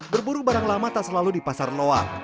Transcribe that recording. berburu barang lama tak selalu di pasar loa